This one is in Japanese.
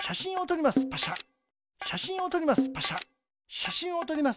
しゃしんをとります。